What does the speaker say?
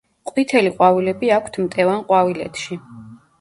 ყვითელი ყვავილები აქვთ მტევან ყვავილედში.